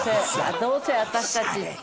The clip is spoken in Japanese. どうせ私たちって。